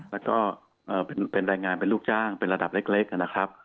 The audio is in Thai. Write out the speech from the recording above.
แล้วก็เป็นแรงงานเป็นลูกจ้างเป็นระดับเล็กนะครับ